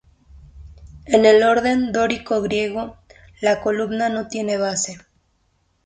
En el orden dórico griego, la columna no tienen base.